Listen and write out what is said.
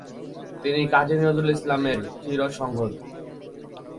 তিনি কাজী নজরুল ইসলামের চিরসুহৃদ।